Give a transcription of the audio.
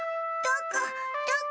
どこ？